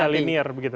bisa linear begitu